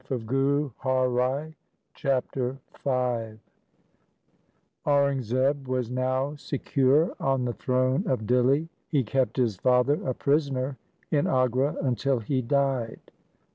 304 THE SIKH RELIGION Chapter V Aurangzeb was now secure on the throne of Dihli. He kept his father a prisoner in Agra until he died.